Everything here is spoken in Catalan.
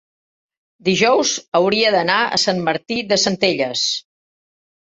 dijous hauria d'anar a Sant Martí de Centelles.